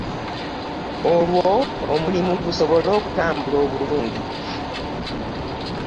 Olwo omulimu gusobole okutambula obulungi